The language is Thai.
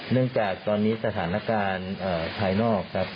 จากตอนนี้สถานการณ์ภายนอกครับ